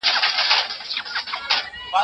د توکو بیې په بازار کي ټاکل کیږي.